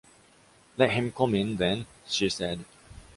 Let him come in, then, she said.